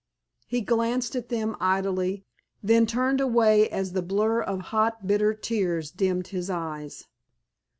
He glanced at them idly, then turned away as the blur of hot, bitter tears dimmed his eyes.